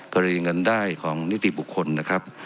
กรณีเงินได้ของนิติบุคคลนะครับ